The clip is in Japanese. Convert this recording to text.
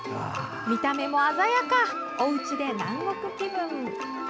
見た目も鮮やかおうちで南国気分！